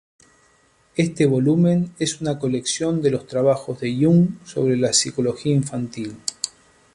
Este volumen es una colección de los trabajos de Jung sobre la psicología infantil.